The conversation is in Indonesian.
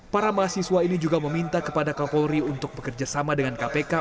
para mahasiswa ini juga meminta kepada kapolri untuk bekerja sama dengan kpk